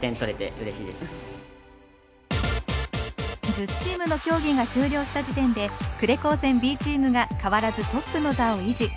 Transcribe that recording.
１０チームの競技が終了した時点で呉高専Ｂチームが変わらずトップの座を維持。